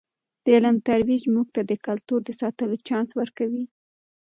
د علم ترویج موږ ته د کلتور د ساتلو چانس ورکوي.